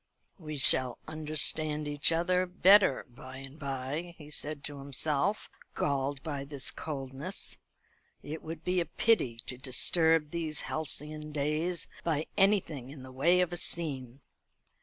"We shall understand each other better by and by," he said to himself, galled by this coldness. "It would be a pity to disturb these halcyon days by anything in the way of a scene.